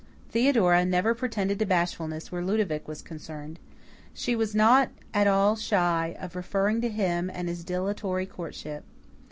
Theodora never pretended to bashfulness where Ludovic was concerned. She was not at all shy of referring to him and his dilatory courtship.